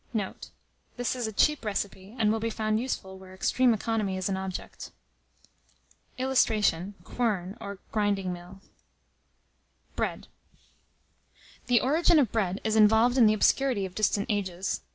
Note. This is a cheap recipe, and will be found useful where extreme economy is an object. [Illustration: QUERN, or GRINDING MILL.] BREAD. The origin of bread is involved in the obscurity of distant ages.